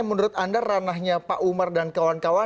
menurut anda ranahnya pak umar dan kawan kawan